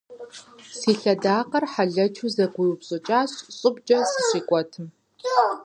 Си лъэдакъэр хьэлэчу зэгуиупщӏыкӏащ щӏыбкӏэ сщикӏуэтым.